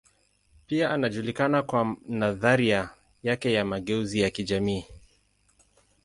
Pia anajulikana kwa nadharia yake ya mageuzi ya kijamii.